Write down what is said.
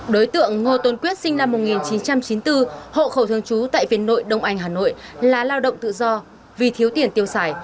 đối tượng ngô tôn quyết sinh năm một nghìn chín trăm chín mươi bốn hộ khẩu thương chú tại viện nội đông anh hà nội là lao động tự do vì thiếu tiền tiêu xài